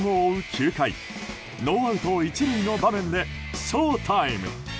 ９回ノーアウト１塁の場面でショータイム！